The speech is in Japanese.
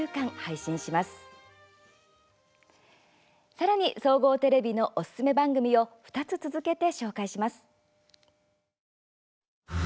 さらに、総合テレビのおすすめ番組を２つ続けて紹介します。